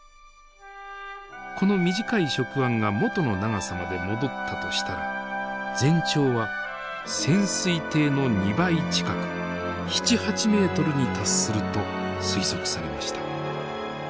この短い触腕が元の長さまで戻ったとしたら全長は潜水艇の２倍近く７８メートルに達すると推測されました。